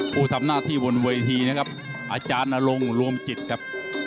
ผู้ทำหน้าที่บนเวทีนะครับอาจารย์นรงค์รวมจิตครับ